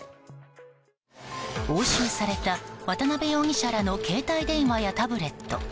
押収された渡邉容疑者らの携帯電話やタブレット。